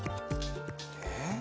えっ？